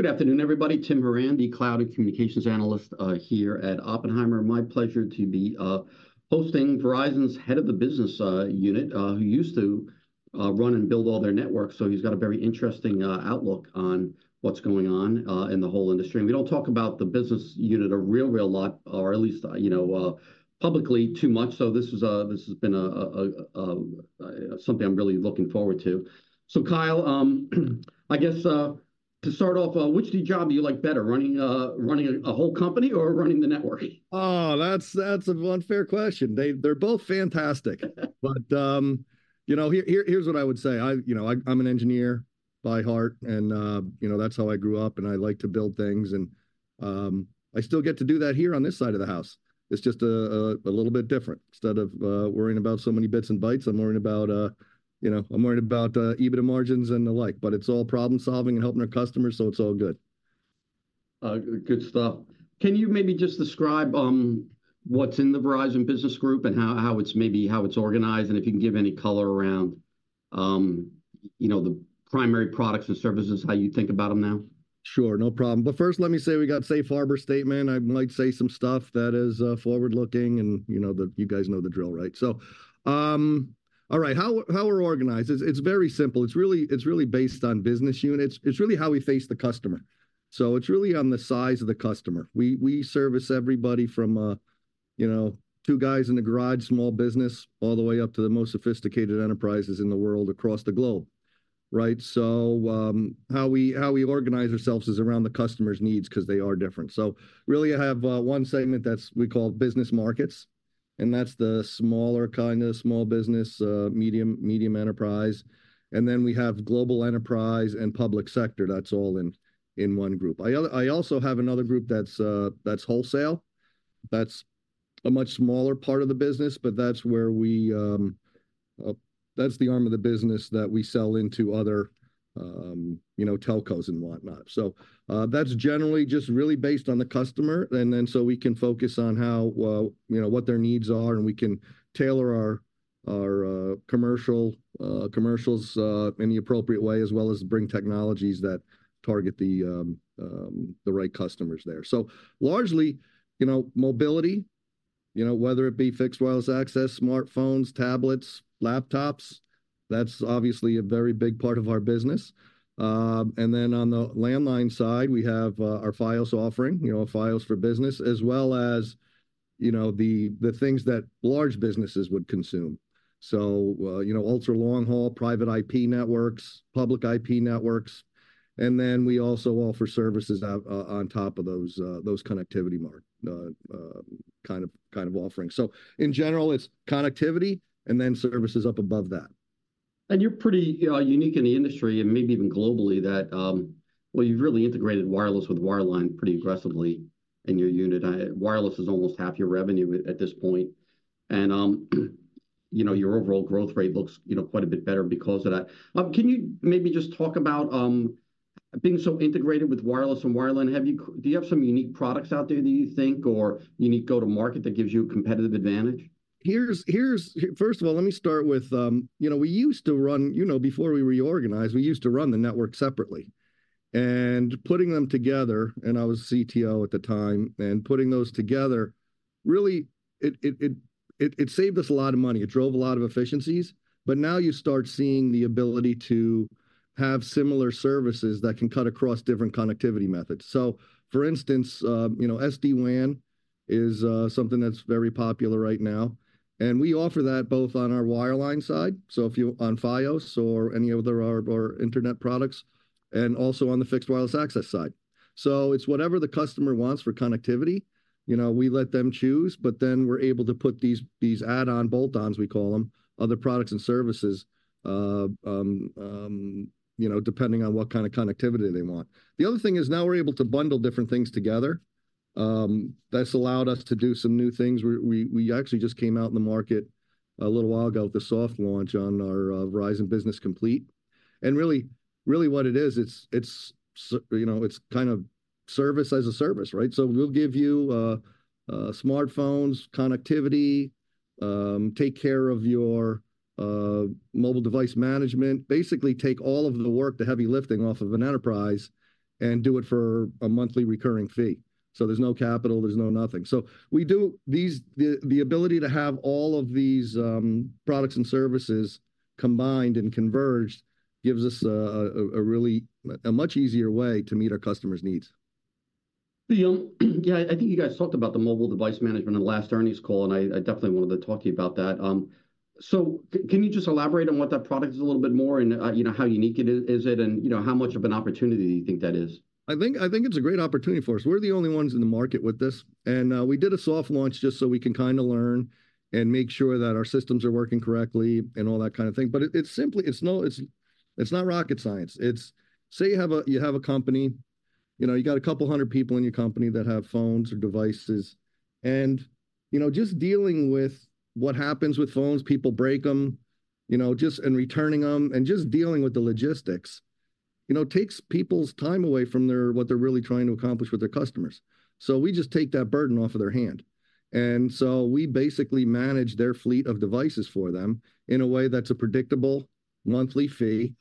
Good afternoon, everybody. Tim Horan, the cloud and communications analyst here at Oppenheimer. My pleasure to be hosting Verizon's head of the business unit who used to run and build all their networks, so he's got a very interesting outlook on what's going on in the whole industry. We don't talk about the business unit a real, real lot, or at least you know publicly too much, so this has been a something I'm really looking forward to. So Kyle, I guess to start off, which job do you like better, running a whole company or running the network? Oh, that's, that's an unfair question. They're both fantastic. But, you know, here's what I would say. You know, I'm an engineer by heart, and, you know, that's how I grew up, and I like to build things, and I still get to do that here on this side of the house. It's just a little bit different. Instead of worrying about so many bits and bytes, I'm worrying about, you know, EBITDA margins and the like. But it's all problem-solving and helping our customers, so it's all good. Good stuff. Can you maybe just describe what's in the Verizon Business Group and how it's organized, and if you can give any color around, you know, the primary products and services, how you think about them now? Sure, no problem. But first, let me say we got safe harbor statement. I might say some stuff that is forward-looking, and you know the you guys know the drill, right? So, all right, how we're organized. It's very simple. It's really based on business units. It's really how we face the customer. So it's really on the size of the customer. We service everybody from you know, two guys in a garage, small business, all the way up to the most sophisticated enterprises in the world across the globe, right? So, how we organize ourselves is around the customer's needs, 'cause they are different. So really I have one segment that we call Business Markets, and that's the smaller, kind of small business, medium enterprise. And then we have Global Enterprise and Public Sector. That's all in one group. I also have another group that's Wholesale. That's a much smaller part of the business, but that's the arm of the business that we sell into other telcos and whatnot. So, that's generally just really based on the customer, and then so we can focus on what their needs are, and we can tailor our commercials in the appropriate way, as well as bring technologies that target the right customers there. So largely, you know, mobility, you know, whether it be fixed wireless access, smartphones, tablets, laptops, that's obviously a very big part of our business. And then on the landline side, we have our Fios offering, you know, Fios for Business, as well as, you know, the things that large businesses would consume. So, you know, ultra-long haul, Private IP networks, public IP networks, and then we also offer services out on top of those connectivity kind of offerings. So in general, it's connectivity and then services up above that. You're pretty unique in the industry, and maybe even globally, that well, you've really integrated wireless with wireline pretty aggressively in your unit. Wireless is almost half your revenue at this point. And you know, your overall growth rate looks, you know, quite a bit better because of that. Can you maybe just talk about being so integrated with wireless and wireline, do you have some unique products out there that you think, or unique go-to-market that gives you a competitive advantage? First of all, let me start with, you know, we used to run, you know, before we reorganized, we used to run the network separately. And putting them together, and I was CTO at the time, and putting those together, really it saved us a lot of money. It drove a lot of efficiencies. But now you start seeing the ability to have similar services that can cut across different connectivity methods. So for instance, you know, SD-WAN is something that's very popular right now, and we offer that both on our wireline side, so if you on Fios or any other of our internet products, and also on the fixed wireless access side. So it's whatever the customer wants for connectivity, you know, we let them choose, but then we're able to put these add-on, bolt-ons we call them, other products and services, you know, depending on what kind of connectivity they want. The other thing is now we're able to bundle different things together. That's allowed us to do some new things. We actually just came out in the market a little while ago with a soft launch on our Verizon Business Complete. And really what it is, it's you know, it's kind of service as a service, right? So we'll give you smartphones, connectivity, take care of your mobile device management. Basically, take all of the work, the heavy lifting, off of an enterprise and do it for a monthly recurring fee. So there's no capital, there's no nothing. So we do. The ability to have all of these products and services combined and converged gives us a much easier way to meet our customers' needs. Yeah, I think you guys talked about the mobile device management on the last earnings call, and I definitely wanted to talk to you about that. So can you just elaborate on what that product is a little bit more, and you know, how unique it is, and you know, how much of an opportunity do you think that is? I think, I think it's a great opportunity for us. We're the only ones in the market with this, and, we did a soft launch just so we can kind of learn and make sure that our systems are working correctly and all that kind of thing. But it's not rocket science. It's, say you have a company, you know, you got a couple 100 people in your company that have phones or devices, and, you know, just dealing with what happens with phones, people break them, you know, just, and returning them, and just dealing with the logistics, you know, takes people's time away from their, what they're really trying to accomplish with their customers. So we just take that burden off of their hand... And so we basically manage their fleet of devices for them in a way that's a predictable monthly fee,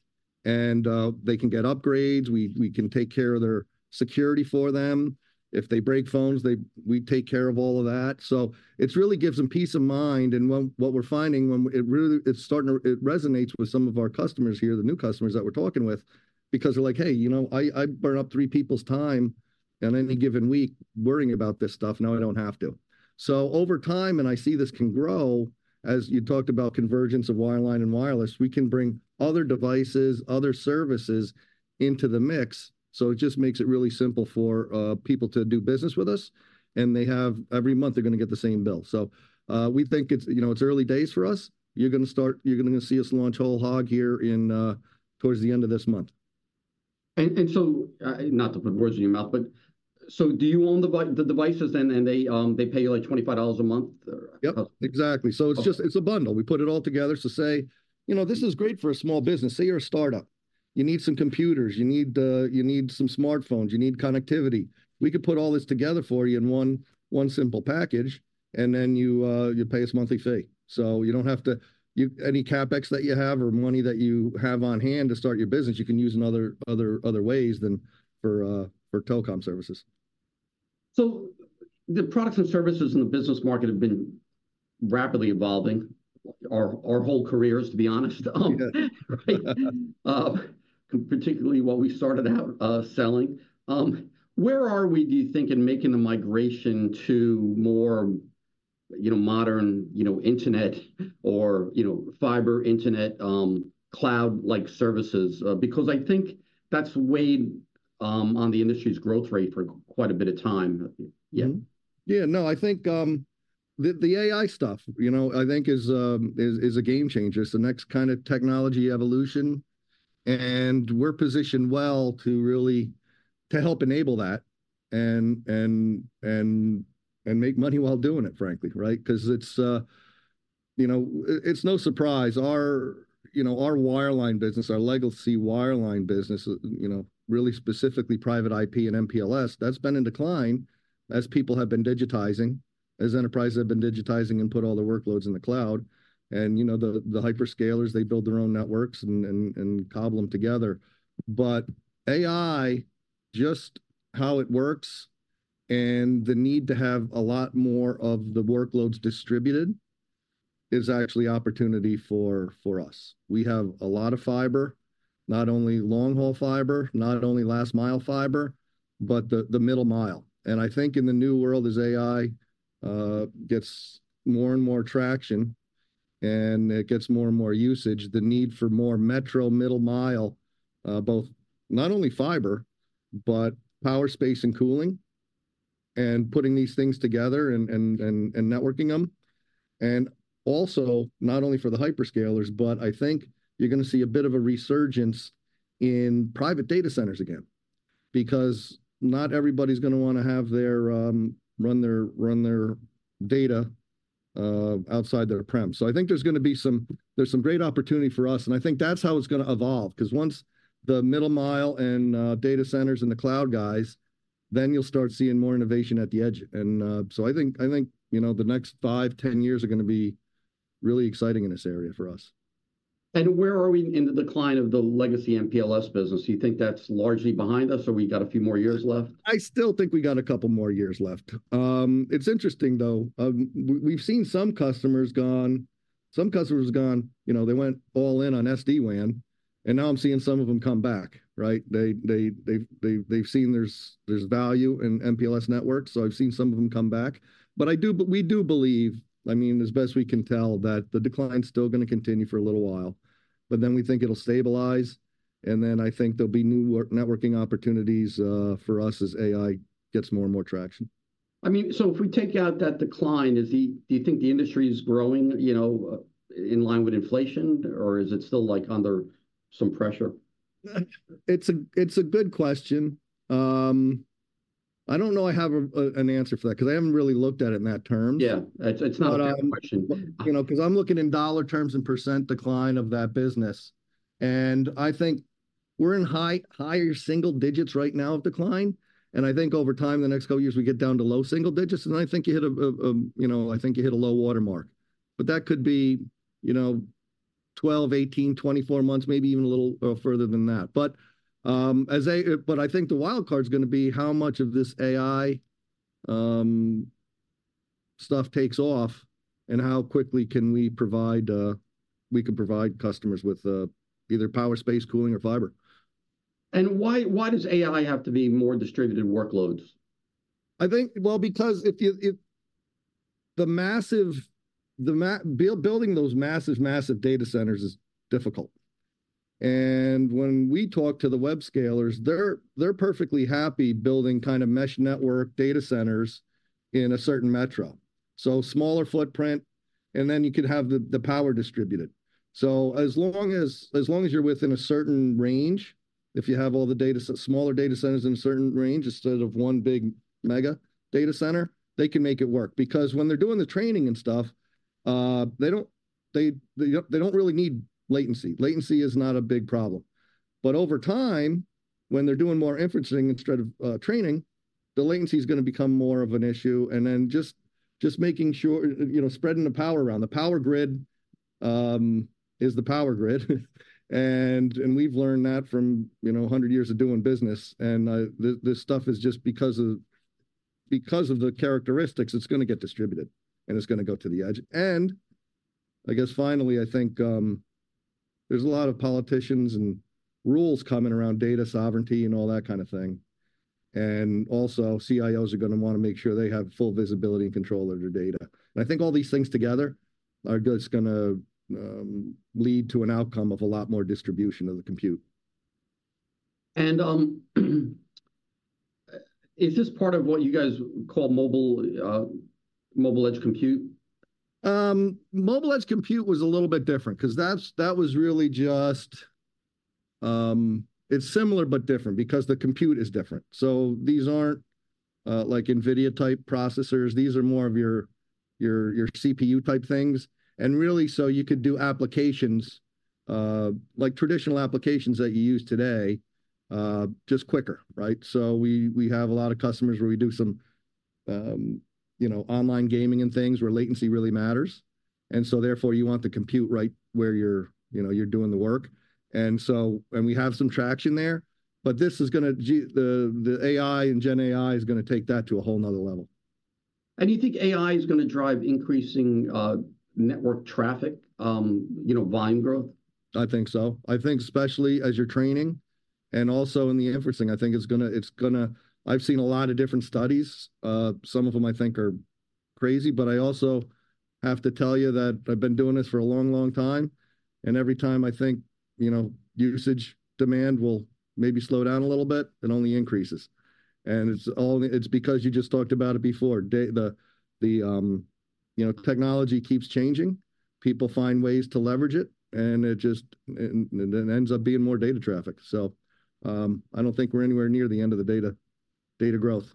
and they can get upgrades. We can take care of their security for them. If they break phones, we take care of all of that. So it's really gives them peace of mind, and what we're finding, it really, it's starting to resonate with some of our customers here, the new customers that we're talking with, because they're like, "Hey, you know, I burn up three people's time in any given week worrying about this stuff. Now I don't have to." So over time, and I see this can grow, as you talked about convergence of wireline and wireless, we can bring other devices, other services into the mix, so it just makes it really simple for people to do business with us, and they have... Every month they're gonna get the same bill. So, we think it's, you know, it's early days for us. You're gonna see us launch whole hog here in, towards the end of this month. So, not to put words in your mouth, but so do you own the devices, and then they pay you, like, $25 a month, or? Yep, exactly. Okay. So it's just a bundle. We put it all together to say, "You know, this is great for a small business." Say, you're a startup. You need some computers, you need, you need some smartphones, you need connectivity. We could put all this together for you in one simple package, and then you, you pay us a monthly fee. So you don't have to... You- any CapEx that you have or money that you have on hand to start your business, you can use in other ways than for telecom services. So the products and services in the business market have been rapidly evolving our whole careers, to be honest- Yeah, right. Particularly what we started out selling. Where are we, do you think, in making the migration to more, you know, modern, you know, internet or, you know, fiber internet, cloud-like services? Because I think that's weighed on the industry's growth rate for quite a bit of time. Yeah. Yeah, no, I think, the, the AI stuff, you know, I think is, is, is a game changer. It's the next kind of technology evolution, and we're positioned well to really, to help enable that, and, and, and, and make money while doing it, frankly, right? 'Cause it's, you know, it's no surprise our, you know, our wireline business, our legacy wireline business, you know, really specifically Private IP and MPLS, that's been in decline as people have been digitizing, as enterprises have been digitizing and put all their workloads in the cloud. And, you know, the, the hyperscalers, they build their own networks and, and, and cobble them together. But AI, just how it works and the need to have a lot more of the workloads distributed, is actually opportunity for, for us. We have a lot of fiber, not only long-haul fiber, not only last-mile fiber, but the middle mile. And I think in the new world, as AI gets more and more traction and it gets more and more usage, the need for more metro middle mile, both not only fiber, but power, space, and cooling, and putting these things together and networking them. And also, not only for the hyperscalers, but I think you're gonna see a bit of a resurgence in private data centers again, because not everybody's gonna wanna have their run their data outside their premises. So I think there's gonna be some great opportunity for us, and I think that's how it's gonna evolve. 'Cause once the middle mile and data centers and the cloud guys, then you'll start seeing more innovation at the edge. And so I think, I think, you know, the next 5, 10 years are gonna be really exciting in this area for us. Where are we in the decline of the legacy MPLS business? Do you think that's largely behind us, or we got a few more years left? I still think we got a couple more years left. It's interesting, though. We've seen some customers gone, some customers gone, you know, they went all in on SD-WAN, and now I'm seeing some of them come back, right? They've seen there's value in MPLS networks, so I've seen some of them come back. But we do believe, I mean, as best we can tell, that the decline's still gonna continue for a little while, but then we think it'll stabilize, and then I think there'll be new networking opportunities for us as AI gets more and more traction. I mean, so if we take out that decline, is the... Do you think the industry is growing, you know, in line with inflation, or is it still, like, under some pressure? It's a good question. I don't know I have an answer for that, 'cause I haven't really looked at it in that term. Yeah, it's not a bad question. But, you know, 'cause I'm looking in dollar terms and percent decline of that business, and I think we're in high, higher single digits right now of decline, and I think over time, the next couple years, we get down to low single digits, and I think you hit a you know, I think you hit a low water mark. But that could be, you know, 12, 18, 24 months, maybe even a little, further than that. But, but I think the wild card's gonna be how much of this AI stuff takes off, and how quickly can we provide, we can provide customers with, either power, space, cooling, or fiber. Why, why does AI have to be more distributed workloads? I think, well, because... Building those massive, massive data centers is difficult. And when we talk to the hyperscalers, they're perfectly happy building kind of mesh network data centers in a certain metro. So smaller footprint, and then you could have the power distributed. So as long as you're within a certain range, if you have all the smaller data centers in a certain range instead of one big mega data center, they can make it work. Because when they're doing the training and stuff, they don't really need latency. Latency is not a big problem... but over time, when they're doing more inferencing instead of training, the latency's gonna become more of an issue, and then just making sure, you know, spreading the power around. The power grid is the power grid, and we've learned that from, you know, 100 years of doing business. And this stuff is just because of the characteristics, it's gonna get distributed, and it's gonna go to the edge. And I guess finally, I think, there's a lot of politicians and rules coming around data sovereignty and all that kind of thing, and also CIOs are gonna wanna make sure they have full visibility and control over their data. And I think all these things together are just gonna lead to an outcome of a lot more distribution of the compute. Is this part of what you guys call Mobile Edge Compute? Mobile Edge Compute was a little bit different, 'cause that was really just... It's similar but different, because the compute is different. So these aren't, like NVIDIA-type processors, these are more of your, your, your CPU-type things. And really, so you could do applications, like traditional applications that you use today, just quicker, right? So we, we have a lot of customers where we do some, you know, online gaming and things, where latency really matters, and so therefore you want the compute right where you're, you know, you're doing the work. And we have some traction there, but this is gonna, the AI and GenAI is gonna take that to a whole 'nother level. You think AI is gonna drive increasing network traffic, you know, volume growth? I think so. I think especially as you're training, and also in the inferencing, I think it's gonna, it's gonna... I've seen a lot of different studies. Some of them I think are crazy, but I also have to tell you that I've been doing this for a long, long time, and every time I think, you know, usage demand will maybe slow down a little bit, it only increases. And it's only. It's because you just talked about it before, the technology keeps changing, people find ways to leverage it, and it just, and, and it ends up being more data traffic. So, I don't think we're anywhere near the end of the data, data growth.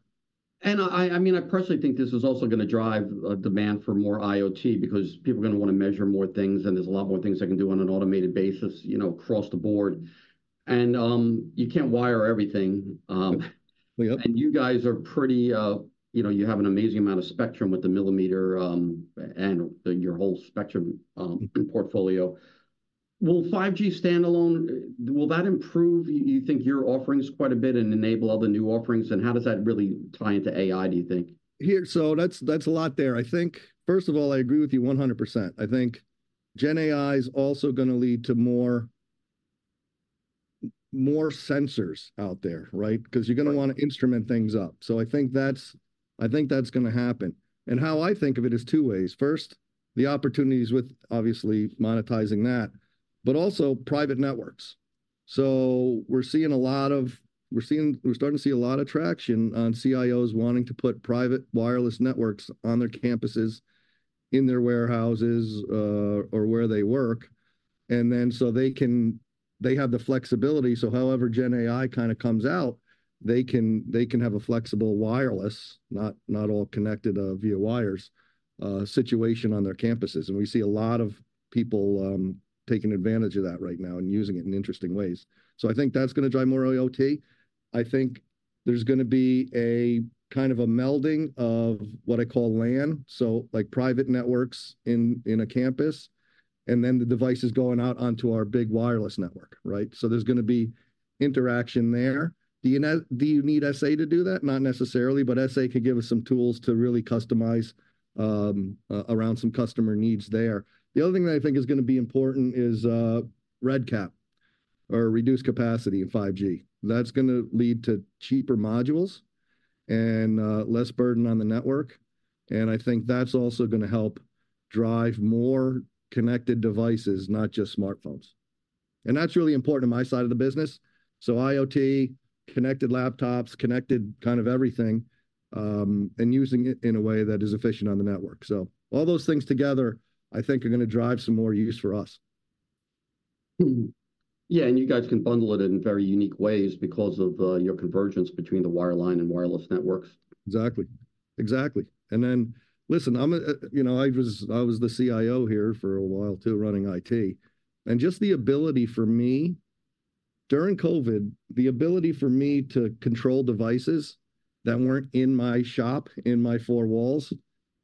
I mean, I personally think this is also gonna drive a demand for more IoT, because people are gonna wanna measure more things, and there's a lot more things they can do on an automated basis, you know, across the board. You can't wire everything- We hope... and you guys are pretty, you know, you have an amazing amount of spectrum with the millimeter, and the, your whole spectrum, Mm-hmm... portfolio. Will 5G standalone, will that improve, you think, your offerings quite a bit and enable other new offerings, and how does that really tie into AI, do you think? Here, so that's, that's a lot there. I think, first of all, I agree with you 100%. I think GenAI's also gonna lead to more, more sensors out there, right? Right. 'Cause you're gonna wanna instrument things up. So I think that's, I think that's gonna happen. And how I think of it is two ways. First, the opportunities with obviously monetizing that, but also private networks. So we're starting to see a lot of traction on CIOs wanting to put private wireless networks on their campuses, in their warehouses, or where they work, and then they can have the flexibility, so however GenAI kinda comes out, they can have a flexible wireless, not all connected via wires, situation on their campuses. And we see a lot of people taking advantage of that right now and using it in interesting ways. So I think that's gonna drive more IoT. I think there's gonna be a kind of a melding of what I call LAN, so like private networks in a campus, and then the devices going out onto our big wireless network, right? So there's gonna be interaction there. Do you need SA to do that? Not necessarily, but SA could give us some tools to really customize around some customer needs there. The other thing that I think is gonna be important is RedCap, or reduced capacity in 5G. That's gonna lead to cheaper modules, and less burden on the network, and I think that's also gonna help drive more connected devices, not just smartphones. And that's really important to my side of the business. So IoT, connected laptops, connected kind of everything, and using it in a way that is efficient on the network. So all those things together, I think are gonna drive some more use for us. Mm-hmm. Yeah, you guys can bundle it in very unique ways because of your convergence between the wireline and wireless networks. Exactly. Exactly. And then, listen, I'm a you know, I was the CIO here for a while, too, running IT, and just the ability for me, during COVID, the ability for me to control devices that weren't in my shop, in my four walls,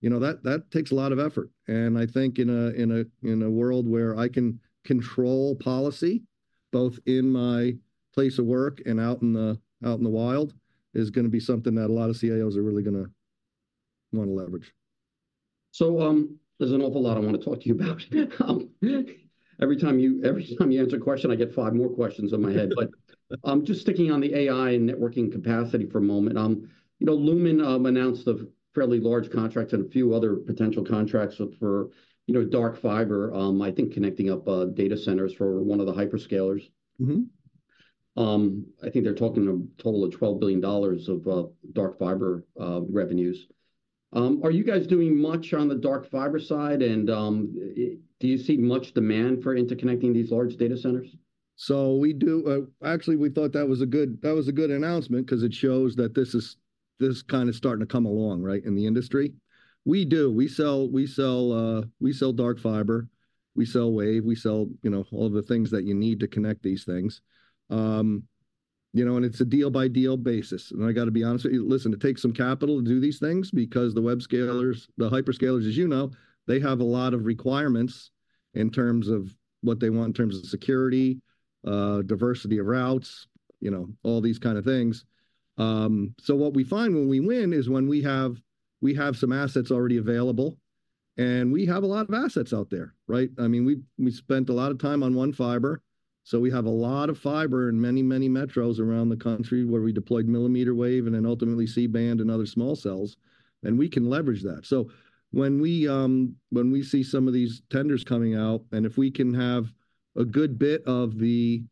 you know, that takes a lot of effort. And I think in a world where I can control policy, both in my place of work and out in the wild, is gonna be something that a lot of CIOs are really gonna wanna leverage. So, there's an awful lot I wanna talk to you about. Every time you, every time you answer a question, I get five more questions in my head. But, just sticking on the AI and networking capacity for a moment, you know, Lumen announced a fairly large contract and a few other potential contracts for, for, you know, dark fiber, I think connecting up data centers for one of the hyperscalers. Mm-hmm. I think they're talking a total of $12 billion of dark fiber revenues. Are you guys doing much on the dark fiber side, and do you see much demand for interconnecting these large data centers? So we do actually, we thought that was a good, that was a good announcement, 'cause it shows that this is this kind of starting to come along, right, in the industry? We do. We sell dark fiber, we sell Wave, we sell, you know, all of the things that you need to connect these things. You know, and it's a deal-by-deal basis, and I gotta be honest with you. Listen, it takes some capital to do these things because the hyperscalers, as you know, they have a lot of requirements in terms of what they want in terms of security, diversity of routes, you know, all these kind of things. So what we find when we win is when we have some assets already available, and we have a lot of assets out there, right? I mean, we spent a lot of time on One Fiber, so we have a lot of fiber in many, many metros around the country where we deployed Millimeter Wave and then ultimately C-band and other small cells, and we can leverage that. So when we see some of these tenders coming out, and if we can have a good bit of the,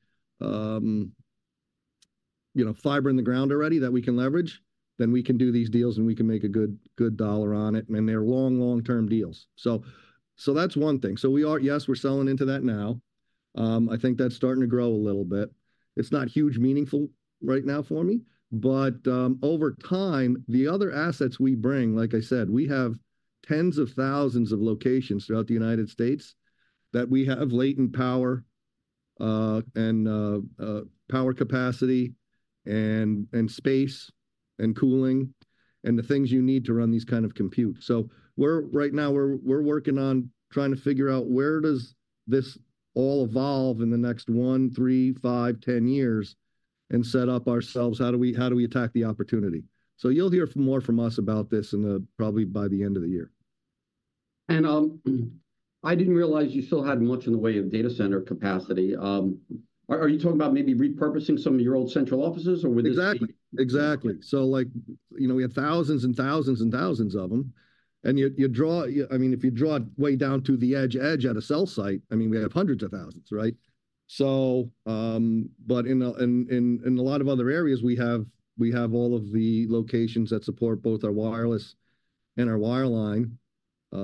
you know, fiber in the ground already that we can leverage, then we can do these deals and we can make a good, good dollar on it, and they're long, long-term deals. So, so that's one thing. So we are... Yes, we're selling into that now. I think that's starting to grow a little bit. It's not huge meaningful right now for me, but over time, the other assets we bring, like I said, we have tens of thousands of locations throughout the United States that we have latent power and power capacity, and space, and cooling, and the things you need to run these kind of compute. So we're right now working on trying to figure out where does this all evolve in the next 1, 3, 5, 10 years, and set up ourselves, how do we attack the opportunity? So you'll hear more from us about this, probably by the end of the year. I didn't realize you still had much in the way of data center capacity. Are you talking about maybe repurposing some of your old central offices, or would they be- Exactly, exactly. So, like, you know, we have thousands and thousands and thousands of them, and you draw... I mean, if you draw it way down to the edge at a cell site, I mean, we have hundreds of thousands, right? So, but in a lot of other areas, we have all of the locations that support both our wireless and our wireline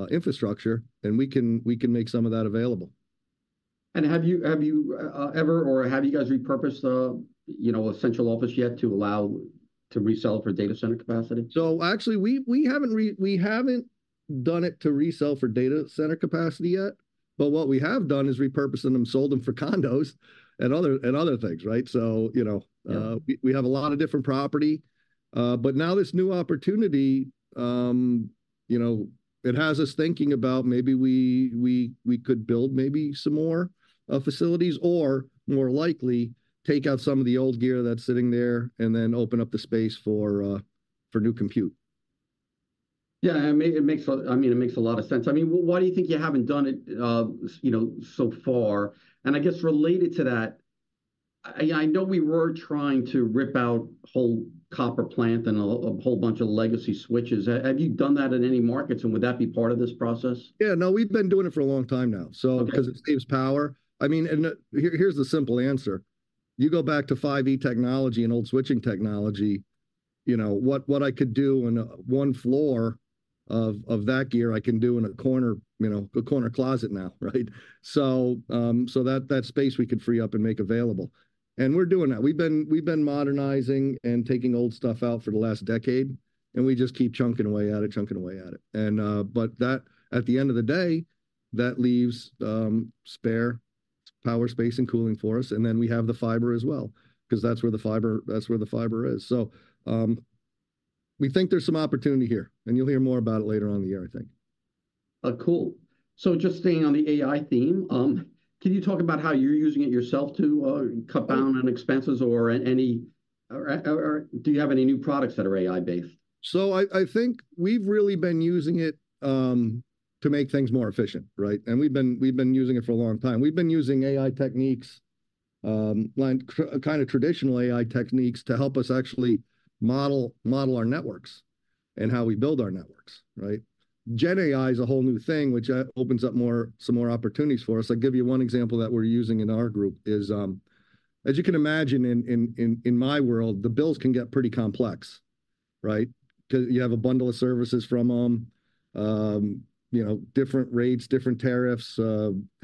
infrastructure, and we can make some of that available. Have you ever, or have you guys repurposed, you know, a central office yet to allow to resell for data center capacity? So actually, we haven't done it to resell for data center capacity yet, but what we have done is repurposing them, sold them for condos and other things, right? So, you know- Yeah... we have a lot of different property. But now this new opportunity, you know, it has us thinking about maybe we could build maybe some more facilities, or more likely, take out some of the old gear that's sitting there and then open up the space for new compute. Yeah, I mean, it makes a lot of sense. I mean, why do you think you haven't done it, you know, so far? I guess related to that, I know we were trying to rip out whole copper plant and a whole bunch of legacy switches. Have you done that in any markets, and would that be part of this process? Yeah, no, we've been doing it for a long time now- Okay... so, 'cause it saves power. I mean, and, here, here's the simple answer. You go back to 5E technology and old switching technology, you know, what, what I could do on one floor of, of that gear, I can do in a corner, you know, a corner closet now, right? So, so that, that space we could free up and make available, and we're doing that. We've been, we've been modernizing and taking old stuff out for the last decade, and we just keep chunking away at it, chunking away at it. And, but that, at the end of the day, that leaves spare power space and cooling for us, and then we have the fiber as well, 'cause that's where the fiber, that's where the fiber is. We think there's some opportunity here, and you'll hear more about it later on in the year, I think. Cool. So just staying on the AI theme, can you talk about how you're using it yourself to cut down on expenses or any do you have any new products that are AI-based? So I think we've really been using it to make things more efficient, right? And we've been using it for a long time. We've been using AI techniques, like kind of traditional AI techniques to help us actually model our networks and how we build our networks, right? GenAI is a whole new thing, which opens up some more opportunities for us. I'll give you one example that we're using in our group is, as you can imagine, in my world, the bills can get pretty complex, right? 'Cause you have a bundle of services from them, you know, different rates, different tariffs,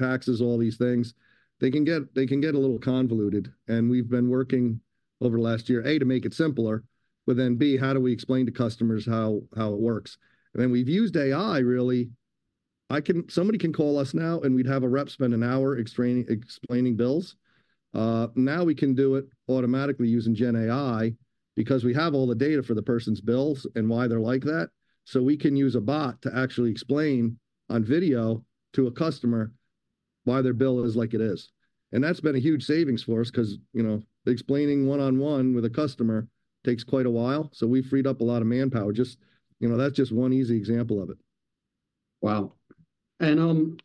taxes, all these things. They can get a little convoluted, and we've been working over the last year, A, to make it simpler, but then, B, how do we explain to customers how it works? And then we've used AI really. Somebody can call us now, and we'd have a rep spend an hour explaining bills. Now we can do it automatically using GenAI because we have all the data for the person's bills and why they're like that, so we can use a bot to actually explain on video to a customer why their bill is like it is. And that's been a huge savings for us, 'cause, you know, explaining one-on-one with a customer takes quite a while, so we've freed up a lot of manpower. Just, you know, that's just one easy example of it. Wow. And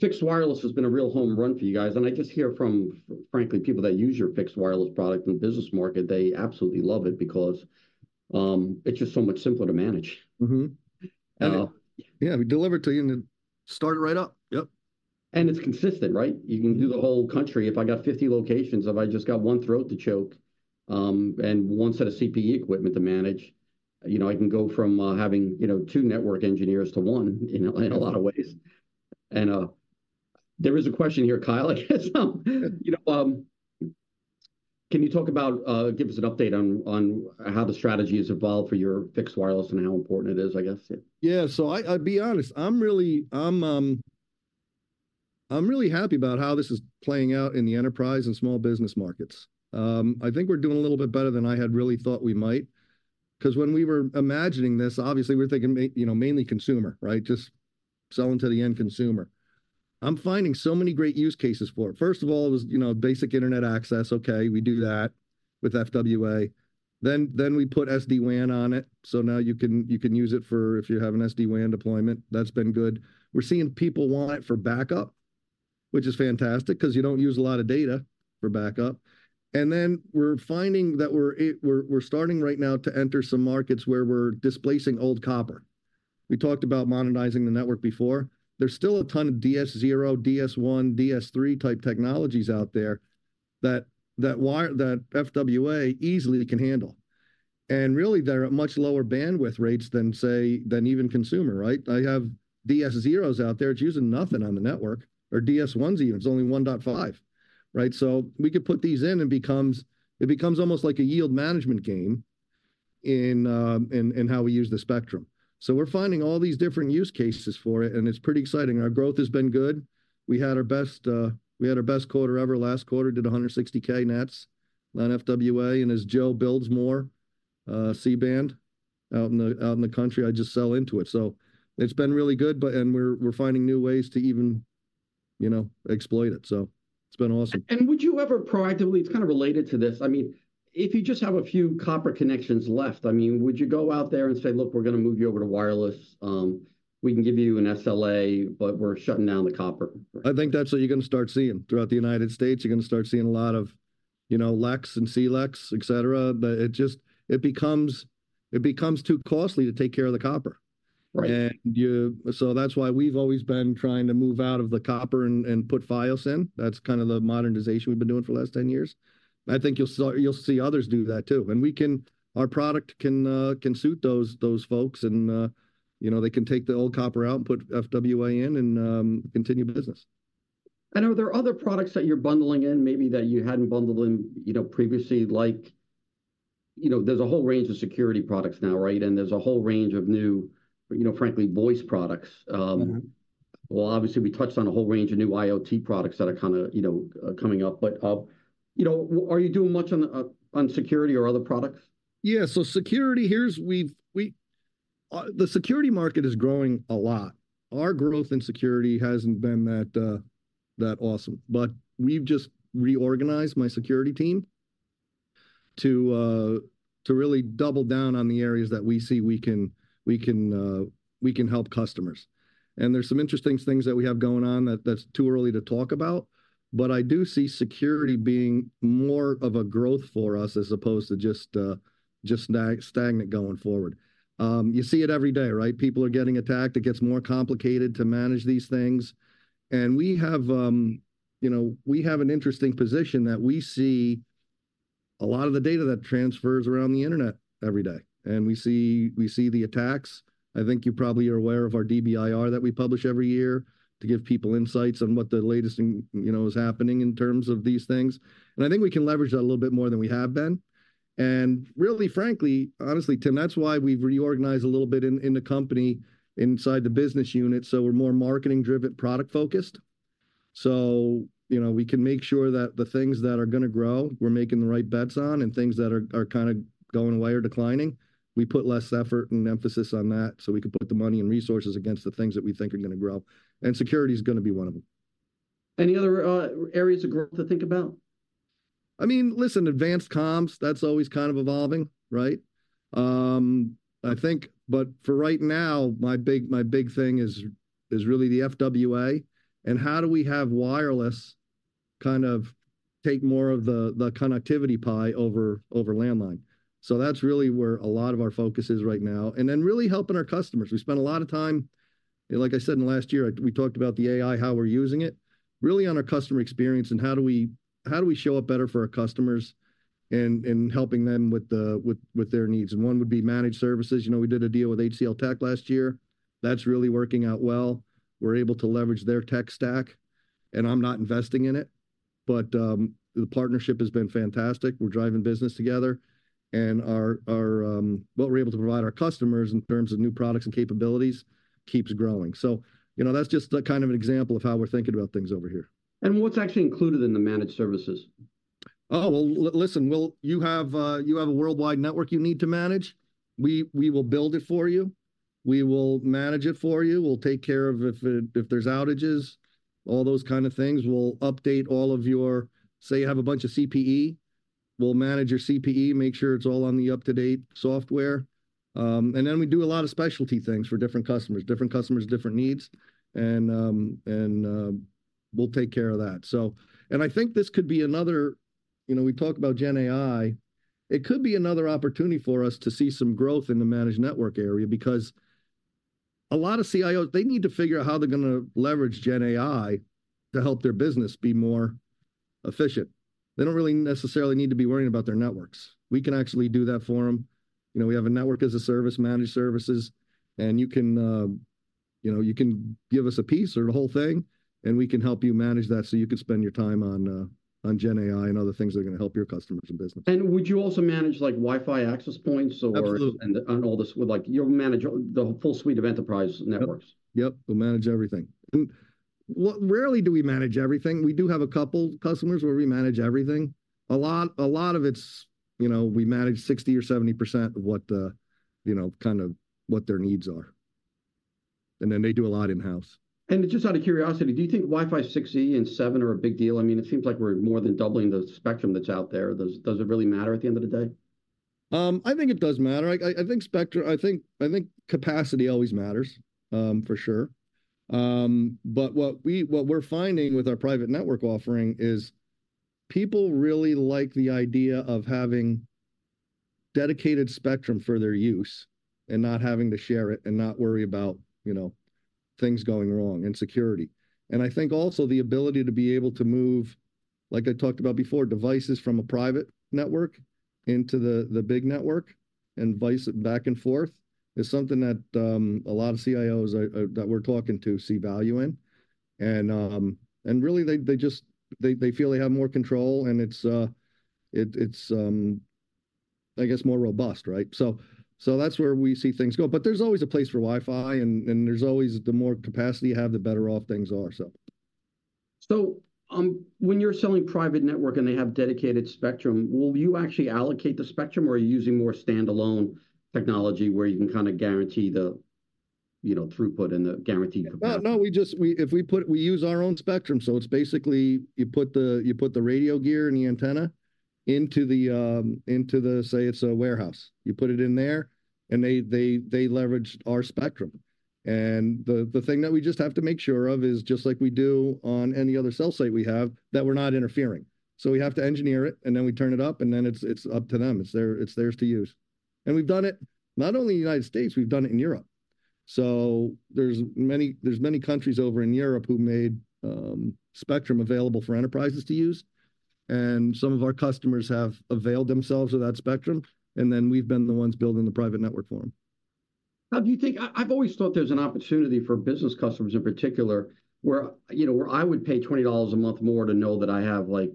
fixed wireless has been a real home run for you guys, and I just hear from, frankly, people that use your fixed wireless product in the business market. They absolutely love it because it's just so much simpler to manage. Mm-hmm. Uh- Yeah, we deliver it to you, and you start it right up. Yep. It's consistent, right? You can do the whole country. If I got 50 locations, if I just got one throat to choke, and one set of CPE equipment to manage, you know, I can go from having, you know, two network engineers to one in a lot of ways. There is a question here, Kyle, I guess, you know, can you talk about, give us an update on how the strategy has evolved for your fixed wireless and how important it is, I guess? Yeah, so I, I'll be honest, I'm really, I'm really happy about how this is playing out in the enterprise and small business markets. I think we're doing a little bit better than I had really thought we might, 'cause when we were imagining this, obviously we were thinking you know, mainly consumer, right? Just selling to the end consumer. I'm finding so many great use cases for it. First of all, it was, you know, basic internet access. Okay, we do that with FWA. Then we put SD-WAN on it, so now you can use it for if you have an SD-WAN deployment. That's been good. We're seeing people want it for backup, which is fantastic, 'cause you don't use a lot of data for backup. Then we're finding that we're starting right now to enter some markets where we're displacing old copper. We talked about modernizing the network before. There's still a ton of DS0, DS1, DS3 type technologies out there that FWA easily can handle, and really they're at much lower bandwidth rates than, say, even consumer, right? I have DS0s out there, it's using nothing on the network, or DS1s even, it's only 1.5, right? So we could put these in, it becomes almost like a yield management game in how we use the spectrum. So we're finding all these different use cases for it, and it's pretty exciting. Our growth has been good. We had our best quarter ever last quarter, did 160,000 nets on FWA, and as Joe builds more C-band out in the country, I just sell into it. So it's been really good, but... And we're finding new ways to even, you know, exploit it, so it's been awesome. Would you ever proactively, it's kind of related to this, I mean, if you just have a few copper connections left, I mean, would you go out there and say, "Look, we're gonna move you over to wireless. We can give you an SLA, but we're shutting down the copper"? I think that's what you're gonna start seeing. Throughout the United States, you're gonna start seeing a lot of, you know, LECs and CLECs, et cetera, but it just, it becomes, it becomes too costly to take care of the copper. Right. So that's why we've always been trying to move out of the copper and put Fios in. That's kind of the modernization we've been doing for the last 10 years. I think you'll see others do that, too, and our product can suit those folks, and you know, they can take the old copper out and put FWA in and continue business. Are there other products that you're bundling in maybe that you hadn't bundled in, you know, previously? Like, you know, there's a whole range of security products now, right? And there's a whole range of new, you know, frankly, voice products. Mm-hmm. Well, obviously we touched on a whole range of new IoT products that are kind of, you know, coming up, but, you know, are you doing much on, on security or other products? Yeah. So security, the security market is growing a lot. Our growth in security hasn't been that awesome, but we've just reorganized my security team to really double down on the areas that we see we can help customers. And there's some interesting things that we have going on that's too early to talk about. But I do see security being more of a growth for us, as opposed to just stagnant going forward. You see it every day, right? People are getting attacked. It gets more complicated to manage these things. And we have, you know, we have an interesting position that we see a lot of the data that transfers around the internet every day, and we see the attacks. I think you probably are aware of our DBIR that we publish every year to give people insights on what the latest and, you know, is happening in terms of these things, and I think we can leverage that a little bit more than we have been. And really, frankly, honestly, Tim, that's why we've reorganized a little bit in, in the company inside the business unit, so we're more marketing driven, product focused. So, you know, we can make sure that the things that are gonna grow, we're making the right bets on, and things that are, are kind of going away or declining, we put less effort and emphasis on that, so we can put the money and resources against the things that we think are gonna grow. And security's gonna be one of them. Any other areas of growth to think about? I mean, listen, advanced comms, that's always kind of evolving, right? I think, but for right now, my big, my big thing is, is really the FWA, and how do we have wireless kind of take more of the, the connectivity pie over, over landline? So that's really where a lot of our focus is right now, and then really helping our customers. We spent a lot of time, like I said in the last year, we talked about the AI, how we're using it, really on our customer experience and how do we, how do we show up better for our customers in, in helping them with the, with, with their needs? And one would be managed services. You know, we did a deal with HCLTech last year. That's really working out well. We're able to leverage their tech stack, and I'm not investing in it, but the partnership has been fantastic. We're driving business together, and what we're able to provide our customers in terms of new products and capabilities keeps growing. So, you know, that's just a kind of an example of how we're thinking about things over here. What's actually included in the managed services? Oh, well, listen, well, you have a worldwide network you need to manage? We will build it for you. We will manage it for you. We'll take care of it, if there's outages, all those kind of things. We'll update all of your... Say you have a bunch of CPE, we'll manage your CPE, make sure it's all on the up-to-date software. And then we do a lot of specialty things for different customers. Different customers, different needs, and we'll take care of that. So, and I think this could be another, you know, we talk about GenAI, it could be another opportunity for us to see some growth in the managed network area, because a lot of CIOs, they need to figure out how they're gonna leverage GenAI to help their business be more efficient. They don't really necessarily need to be worrying about their networks. We can actually do that for them. You know, we have a Network as a Service, managed services, and you can, you know, you can give us a piece or the whole thing, and we can help you manage that so you can spend your time on GenAI and other things that are gonna help your customers and business. Would you also manage, like, Wi-Fi access points or? Absolutely And all this? Well, like, you'll manage the full suite of enterprise networks. Yep, yep, we'll manage everything. Well, rarely do we manage everything. We do have a couple customers where we manage everything. A lot, a lot of it's, you know, we manage 60%-70% of what the, you know, kind of what their needs are, and then they do a lot in-house. Just out of curiosity, do you think Wi-Fi 6E and Wi-Fi 7 are a big deal? I mean, it seems like we're more than doubling the spectrum that's out there. Does it really matter at the end of the day? I think it does matter. I think capacity always matters, for sure. But what we're finding with our private network offering is, people really like the idea of having dedicated spectrum for their use, and not having to share it, and not worry about, you know, things going wrong, and security. And I think also the ability to be able to move, like I talked about before, devices from a private network into the big network, and vice versa back and forth, is something that a lot of CIOs that we're talking to see value in. And really, they just feel they have more control, and it's more robust, right? So that's where we see things go. But there's always a place for Wi-Fi, and there's always the more capacity you have, the better off things are, so. When you're selling private network and they have dedicated spectrum, will you actually allocate the spectrum, or are you using more standalone technology, where you can kinda guarantee the, you know, throughput and the guaranteed capacity? Well, no, we just use our own spectrum, so it's basically you put the radio gear and the antenna into the, say it's a warehouse. You put it in there, and they leverage our spectrum. And the thing that we just have to make sure of is, just like we do on any other cell site we have, that we're not interfering. So we have to engineer it, and then we turn it up, and then it's up to them. It's theirs to use. And we've done it not only in the United States, we've done it in Europe. There's many countries over in Europe who made spectrum available for enterprises to use, and some of our customers have availed themselves of that spectrum, and then we've been the ones building the private network for them. Now, do you think... I've always thought there's an opportunity for business customers in particular, where, you know, where I would pay $20 a month more to know that I have, like,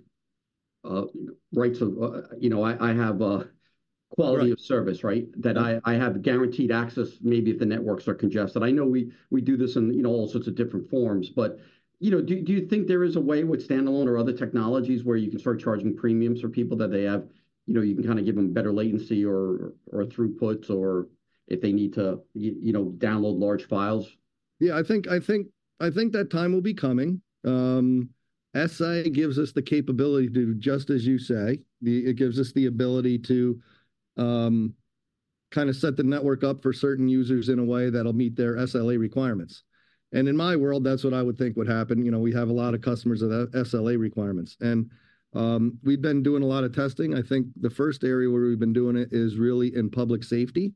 a right to, you know, I have, Right... quality of service, right? That I have guaranteed access, maybe if the networks are congested. I know we do this in, you know, all sorts of different forms. But, you know, do you think there is a way with standalone or other technologies where you can start charging premiums for people that they have, you know, you can kinda give them better latency or, or throughputs or if they need to you know, download large files? Yeah, I think, I think, I think that time will be coming. SA gives us the capability to, just as you say, it gives us the ability to kinda set the network up for certain users in a way that'll meet their SLA requirements. And in my world, that's what I would think would happen. You know, we have a lot of customers with SLA requirements. And we've been doing a lot of testing. I think the first area where we've been doing it is really in public safety,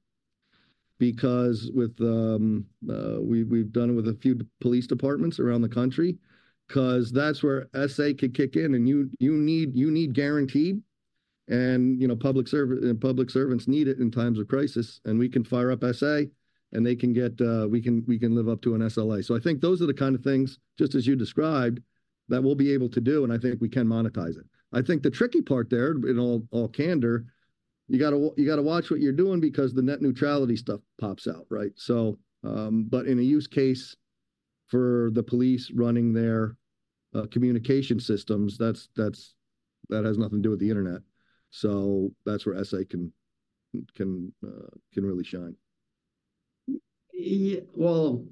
because we've done it with a few police departments around the country, 'cause that's where SA could kick in, and you need guaranteed, and you know, public servants need it in times of crisis. And we can fire up SA, and they can get, we can live up to an SLA. So I think those are the kind of things, just as you described, that we'll be able to do, and I think we can monetize it. I think the tricky part there, in all candor, you gotta watch what you're doing, because the net neutrality stuff pops out, right? So, but in a use case for the police running their communication systems, that has nothing to do with the internet, so that's where SA can really shine. Yeah, well,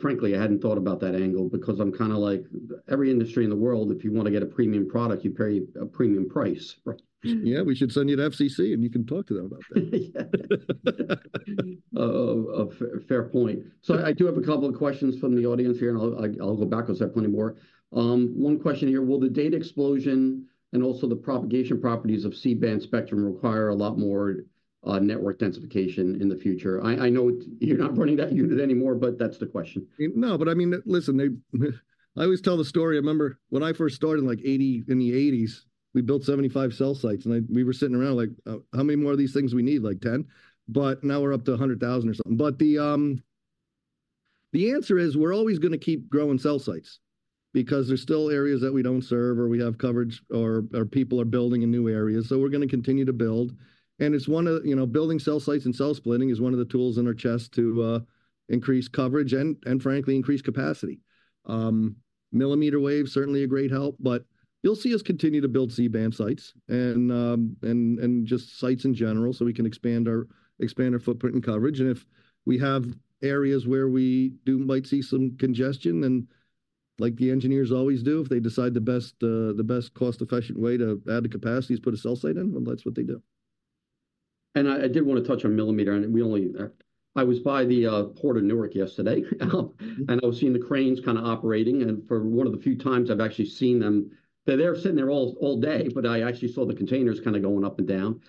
frankly, I hadn't thought about that angle, because I'm kinda like, every industry in the world, if you wanna get a premium product, you pay a premium price, right? Yeah, we should send you to FCC, and you can talk to them about that. Oh, a fair point. So I do have a couple of questions from the audience here, and I'll go back, 'cause I have plenty more. One question here: "Will the data explosion and also the propagation properties of C-band spectrum require a lot more network densification in the future?" I know you're not running that unit anymore, but that's the question. No, but I mean, listen, they... I always tell the story. I remember when I first started in, like, 1980, in the 1980s, we built 75 cell sites, and we were sitting around like, "How many more of these things we need? Like, 10?" But now we're up to 100,000 or something. But the answer is, we're always gonna keep growing cell sites, because there's still areas that we don't serve, or we have coverage, or people are building in new areas, so we're gonna continue to build. And it's one of, you know, building cell sites and cell splitting is one of the tools in our chest to increase coverage and, frankly, increase capacity. Millimeter Wave's certainly a great help, but you'll see us continue to build C-band sites, and just sites in general, so we can expand our footprint and coverage. And if we have areas where we might see some congestion, then, like the engineers always do, if they decide the best cost-efficient way to add the capacity is put a cell site in, well, that's what they do. I was by the Port of Newark yesterday, and I was seeing the cranes kinda operating, and for one of the few times I've actually seen them. They're there sitting there all day, but I actually saw the containers kinda going up and down.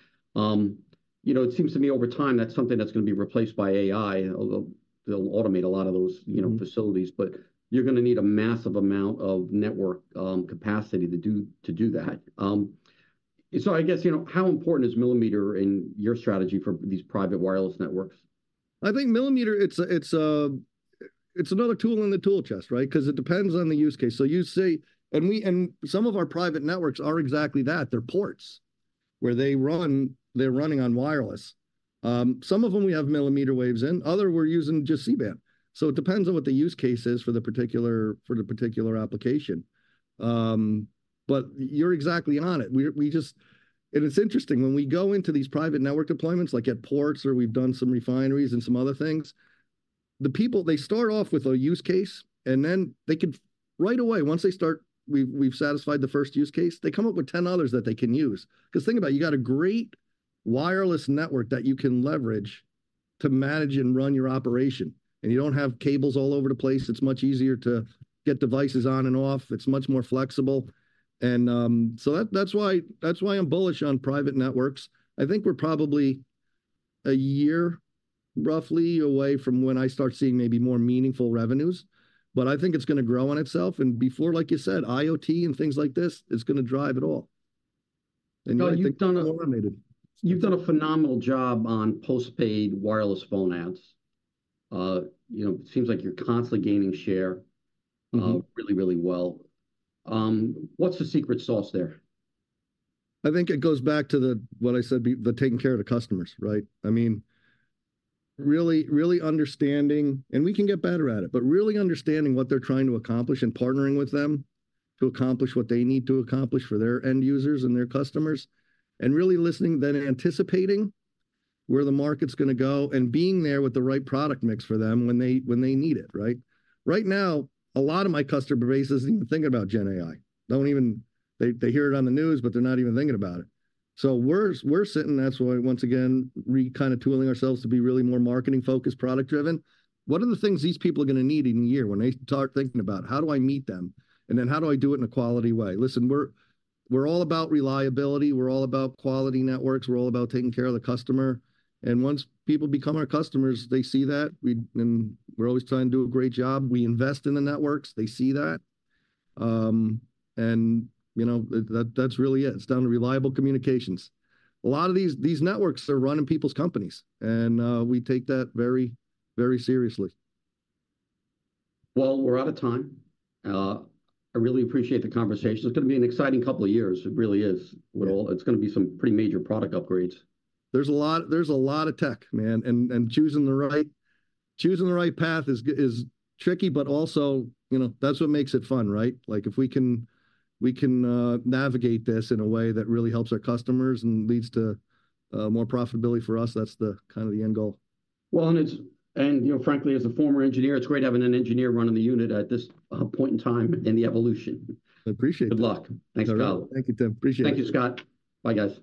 You know, it seems to me over time that's something that's gonna be replaced by AI, although they'll automate a lot of those, you know- Mm... facilities. But you're gonna need a massive amount of network capacity to do that. So I guess, you know, how important is millimeter in your strategy for these private wireless networks? I think millimeter. It's another tool in the tool chest, right? 'Cause it depends on the use case. So you see, and we, and some of our private networks are exactly that. They're ports, where they run, they're running on wireless. Some of them we have millimeter waves in, other we're using just C-band. So it depends on what the use case is for the particular, for the particular application. But you're exactly on it. We're, we just... And it's interesting, when we go into these private network deployments, like at ports or we've done some refineries and some other things, the people, they start off with a use case, and then they right away, once they start, we've, we've satisfied the first use case, they come up with 10 others that they can use. 'Cause think about it, you got a great wireless network that you can leverage to manage and run your operation, and you don't have cables all over the place. It's much easier to get devices on and off. It's much more flexible, and so that, that's why, that's why I'm bullish on private networks. I think we're probably a year, roughly, away from when I start seeing maybe more meaningful revenues, but I think it's gonna grow on itself, and before, like you said, IoT and things like this, is gonna drive it all. Well, you've done a- Automated. You've done a phenomenal job on post-paid wireless phone ads. You know, it seems like you're constantly gaining share- Mm-hmm... really, really well. What's the secret sauce there? I think it goes back to what I said before, the taking care of the customers, right? I mean, really, really understanding, and we can get better at it, but really understanding what they're trying to accomplish and partnering with them to accomplish what they need to accomplish for their end users and their customers, and really listening, then anticipating where the market's gonna go, and being there with the right product mix for them when they, when they need it, right? Right now, a lot of my customer base isn't even thinking about GenAI. They hear it on the news, but they're not even thinking about it. So we're sitting, that's why, once again, kind of retooling ourselves to be really more marketing-focused, product-driven. What are the things these people are gonna need in a year when they start thinking about it? How do I meet them, and then how do I do it in a quality way? Listen, we're all about reliability, we're all about quality networks, we're all about taking care of the customer, and once people become our customers, they see that. And we're always trying to do a great job. We invest in the networks. They see that. And, you know, that's really it. It's down to reliable communications. A lot of these networks are running people's companies, and we take that very, very seriously. Well, we're out of time. I really appreciate the conversation. It's gonna be an exciting couple of years, it really is, with all... It's gonna be some pretty major product upgrades. There's a lot, there's a lot of tech, man, and, and choosing the right, choosing the right path is tricky, but also, you know, that's what makes it fun, right? Like, if we can, we can navigate this in a way that really helps our customers and leads to more profitability for us, that's the kind of the end goal. Well, you know, frankly, as a former engineer, it's great having an engineer running the unit at this point in time in the evolution. I appreciate that. Good luck. All right. Thanks, Scott. Thank you, Tim. Appreciate it. Thank you, Scott. Bye, guys.